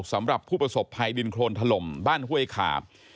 สำหรับผู้ประสบภัยดินโครนถล่มบ้านห้วยขาบ